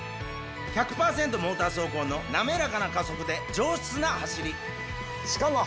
モーター走行の滑らかな加速で上質な走りしかも。